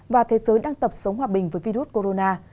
và thế giới đang tập sống hòa bình với virus corona